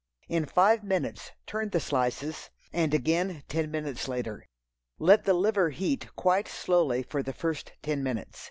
In five minutes turn the slices, and again ten minutes later. Let the liver heat quite slowly for the first ten minutes.